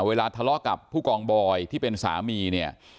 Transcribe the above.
เวลาทะเลาะกับผู้กองบอยที่เป็นสามีเนี่ย